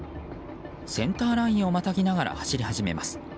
センターラインをまたぎながら走り始めます。